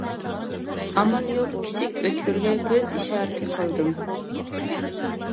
ئامال يوق كىچىك ئۆتكۈرگە كۆز ئىشارىتى قىلدىم.